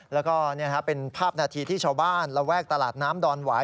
แล้วก็เป็นภาพนาทีที่ชาวบ้านระแวกตลาดน้ำดอนหวาย